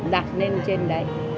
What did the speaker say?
đặt lên trên đấy